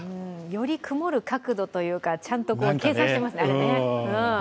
より曇る角度というか、ちゃんと計算していますね。